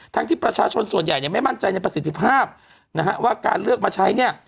ที่ประชาชนส่วนใหญ่เนี่ยไม่มั่นใจในประสิทธิภาพนะฮะว่าการเลือกมาใช้เนี่ย